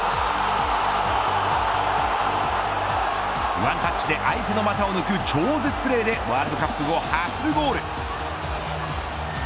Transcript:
ワンタッチで相手の股を抜く超絶プレーでワールドカップ後初ゴール。